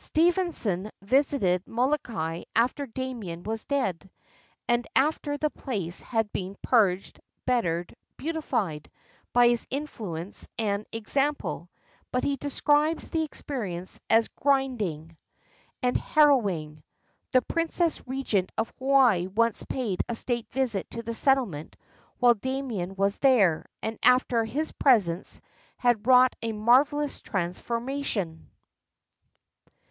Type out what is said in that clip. Stevenson visited Molokai after Damien was dead, and after the place had been "purged, bettered, beautified" by his influence and example; but he describes the experience as "grinding" 529 ISLANDS OF THE PACIFIC and "harrowing." The Princess Regent of Hawaii once paid a state visit to the settlement while Damien was there, and after his presence had wrought a marvelous transformation.